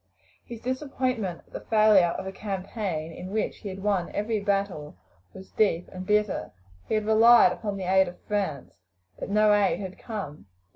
His disappointment at the failure of a campaign in which he had won every battle was deep and bitter. He had relied upon the aid of France, but no aid had come.